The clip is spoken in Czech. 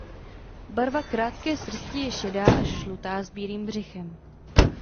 Barva krátké srsti je šedá až žlutá s bílým břichem.